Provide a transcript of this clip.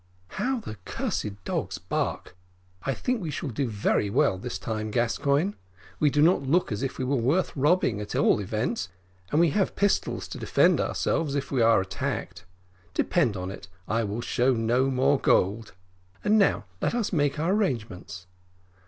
"How the cursed dogs bark! I think we shall do very well this time, Gascoigne: we do not look as if we were worth robbing, at all events, and we have the pistols to defend ourselves with if we are attacked. Depend upon it I will show no more gold. And now let us make our arrangements.